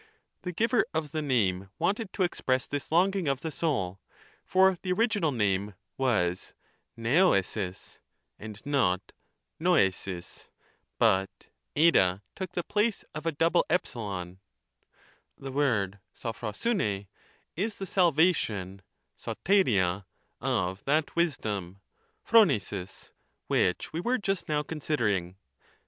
The giver of the name wanted to express this longing of the soul, for the original name was veoeai.q, and not votjoic ; but t] took the place of a double e. The word acj(()poovv7] is the salvation {owTTjpia) of that wisdom {(ppovqaic) which we were just now considering.